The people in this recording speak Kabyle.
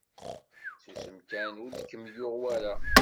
Susem kan ur d kem-yuɣ wara.